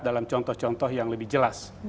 dalam contoh contoh yang lebih jelas